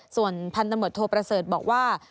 ส่วนพันธมตโทประเสริฐบอกว่า